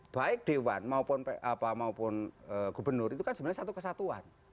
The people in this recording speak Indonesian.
baik dewan maupun gubernur itu kan sebenarnya satu kesatuan